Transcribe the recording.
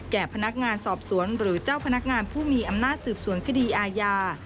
แก่พนักงานสอบสวนหรือเจ้าพนักงานผู้มีอำนาจสืบสวนคดีอาญา